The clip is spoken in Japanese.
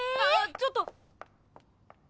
あちょっと。